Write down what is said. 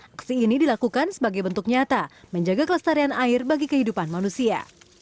aksi ini dilakukan sebagai bentuk nyata menjaga kelestarian air bagi kehidupan manusia